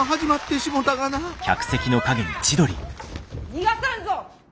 逃がさぬぞ！